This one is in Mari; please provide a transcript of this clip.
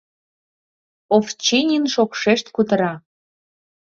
— Овчинин шокшешт кутыра.